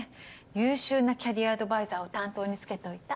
優秀なキャリアアドバイザーを担当に付けといた。